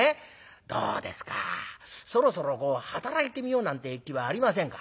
どうですかそろそろ働いてみようなんて気はありませんか？」。